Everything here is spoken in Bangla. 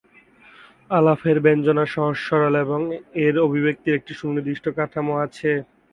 আলাপের ব্যঞ্জনা সহজ সরল এবং এর অভিব্যক্তির একটি সুনির্দিষ্ট কাঠামো আছে।